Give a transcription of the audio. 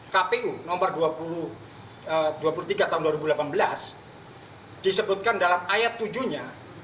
kpu nomor dua puluh tiga tahun dua ribu delapan belas disebutkan dalam ayat tujuh nya